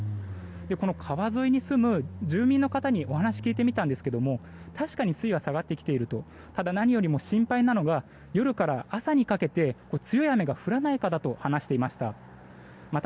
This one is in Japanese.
この川沿いに住む住民の方にお話を聞いてみたんですけれども確かに水位は下がってきているとただ、何よりも心配なのが夜から朝にかけて強い雨が降らないかだと話していました。